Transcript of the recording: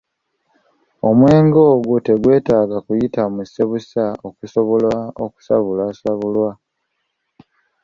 Omwenge gwo tegwetaaga kuyita mu ssebusa okusobola okusabulwasabulwa.